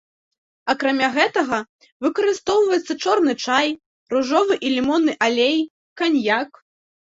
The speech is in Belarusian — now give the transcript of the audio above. Акрамя гэтага, выкарыстоўваецца чорны чай, ружовы і лімонны алей, каньяк.